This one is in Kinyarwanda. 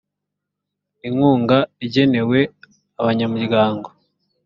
inkunga igenewe abanyamuryango